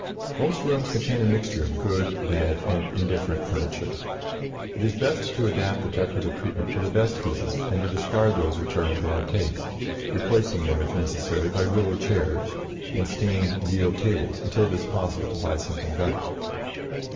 Most rooms contain a mixture of good, bad, and indifferent furniture. It is best to adapt the decorative treatment to the best pieces and to discard those which are in bad taste, replacing them, if necessary, by willow chairs and stained deal tables until it is possible to buy something better.